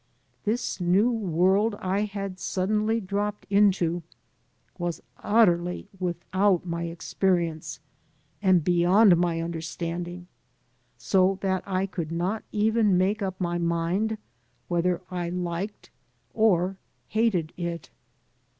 This new world I had suddenly dropped into was utterly without my experience and beyond my understanding, so that I could not even make up my mind whether I liked or hated it.